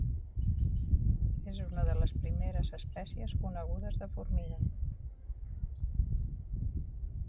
És una de les primeres espècies conegudes de formiga.